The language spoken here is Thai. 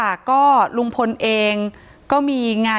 ถ้าใครอยากรู้ว่าลุงพลมีโปรแกรมทำอะไรที่ไหนยังไง